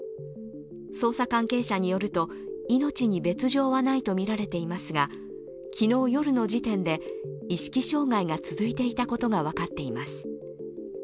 捜査関係者によると命に別状はないとみられていますが、昨日夜の時点で、意識障害が続いていたことが分かっています。